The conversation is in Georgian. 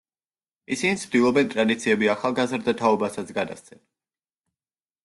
ისინი ცდილობენ, ტრადიციები ახალგაზრდა თაობასაც გადასცენ.